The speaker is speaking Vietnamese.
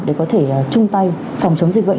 để có thể chung tay phòng chống dịch bệnh